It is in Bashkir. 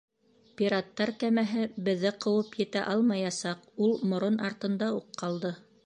Пираттар кәмәһе беҙҙе ҡыуып етә алмаясаҡ, ул морон артында уҡ ҡалды.